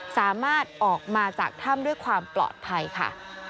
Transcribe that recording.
สามารถออกมาจากถ้ำด้วยความปลอดภัยค่ะ